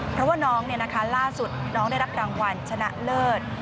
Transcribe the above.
เพราะว่าน้องล่าสุดน้องได้รับรางวัลชนะเลิศ